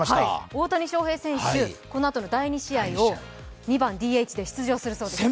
大谷翔平選手、このあとの第２試合を２番・ＤＨで出場するそうです。